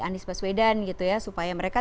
anies baswedan gitu ya supaya mereka